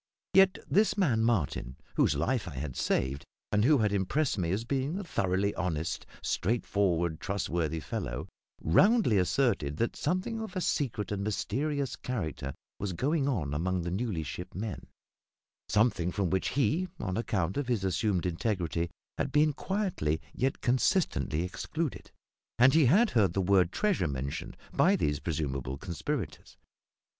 Yet this man, Martin, whose life I had saved, and who had impressed me as being a thoroughly honest, straightforward, trustworthy fellow, roundly asserted that something of a secret and mysterious character was going on among the newly shipped men something from which he, on account of his assumed integrity, had been quietly yet consistently excluded; and he had heard the word "treasure" mentioned by these presumable conspirators.